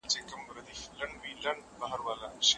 حکومتونه باید د سفر اسانتیاوې برابرې کړي.